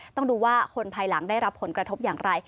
ต้องดูว่าคนภายหลังได้รับผลกระทบอย่างไร